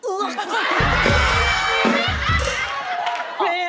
พ่อเชื่อมันในตัวลูกพ่อได้